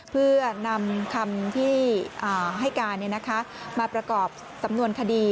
เพื่อนำคำที่ให้การมาประกอบสำนวนคดี